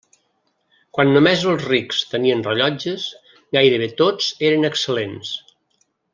Quan només els rics tenien rellotges, gairebé tots eren excel·lents.